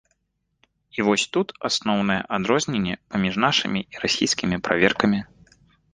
І вось тут асноўнае адрозненне паміж нашымі і расійскімі праверкамі.